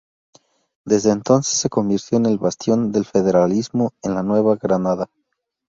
Desde entonces se convirtió en el bastión del federalismo en la Nueva Granada.